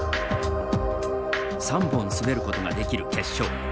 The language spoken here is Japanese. ３本滑ることができる決勝。